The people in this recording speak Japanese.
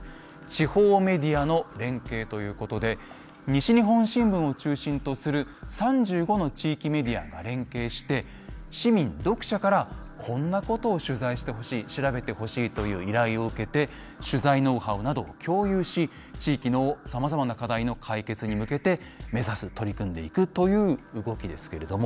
地方メディアの連携ということで西日本新聞を中心とする３５の地域メディアが連携して市民読者からこんなことを取材してほしい調べてほしいという依頼を受けて取材ノウハウなどを共有し地域のさまざまな課題の解決に向けて目指す取り組んでいくという動きですけれども。